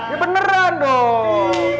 ini beneran dong